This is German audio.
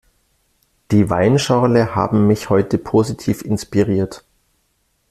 Die Weinschorle haben mich heute positiv inspiriert.